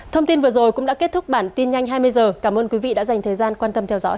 thông tin vừa rồi cũng đã kết thúc bản tin nhanh hai mươi h cảm ơn quý vị đã dành thời gian quan tâm theo dõi